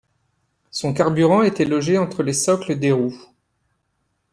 Son carburant était logé entre les socles des roues.